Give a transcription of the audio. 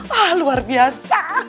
wah luar biasa